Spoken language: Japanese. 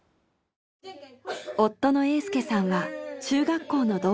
夫の栄介さんは中学校の同級生。